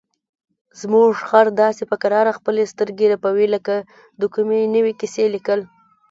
زموږ خر داسې په کراره خپلې سترګې رپوي لکه د کومې نوې کیسې لیکل.